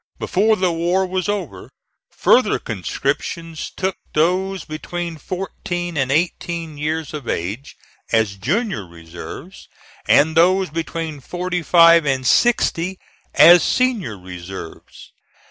Before the war was over, further conscriptions took those between fourteen and eighteen years of age as junior reserves, and those between forty five and sixty as senior reserves.